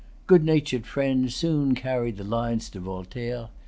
Good natured friends soon carried the lines to Voltaire.